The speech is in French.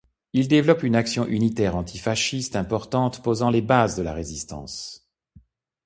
Il développe une action unitaire antifasciste importante, posant les bases de la Résistance.